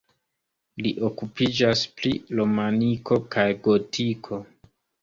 Li okupiĝas pri romaniko kaj gotiko.